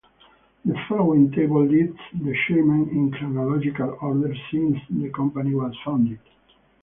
The following table lists the chairmen in chronological order since the company was founded.